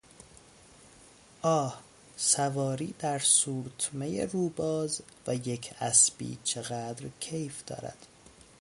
آه، سواری در سورتمهی رو باز و یک اسبی چقدر کیف دارد!